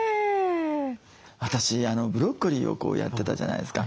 私ブロッコリーをやってたじゃないですか。